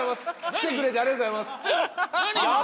来てくれてありがとうございます！